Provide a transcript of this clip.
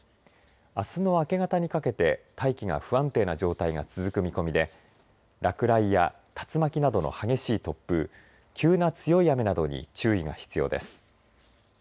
あすの明け方にかけて大気が不安定な状態が続く見込みで落雷や竜巻などの激しい突風急な強い雨などに注意が必要です。